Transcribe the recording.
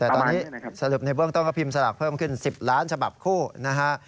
แต่ตอนนี้สรุปในเบื้องต้นก็พิมพ์สลากเพิ่มขึ้น๑๐ล้านฉบับคู่นะฮะ